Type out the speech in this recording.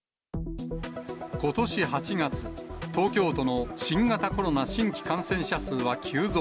ことし８月、東京都の新型コロナ新規感染者数は急増。